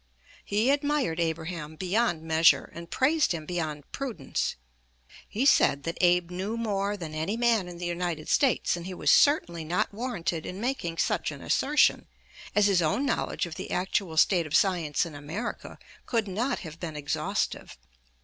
He admired Abraham beyond measure, and praised him beyond prudence. He said that Abe knew more than any man in the United States; and he was certainly not warranted in making such an assertion, as his own knowledge of the actual state of science in America could not have been exhaustive.